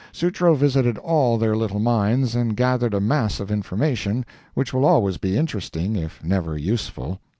Sutro visited all their little mines, and gathered a mass of information which will always be interesting if never useful.